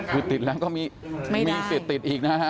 มีติดแล้วก็มีเสพติดอีกนะฮะ